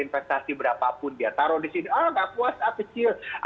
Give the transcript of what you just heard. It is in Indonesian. hasil investasi berapapun dia taruh di sini oh tidak puas ah kecil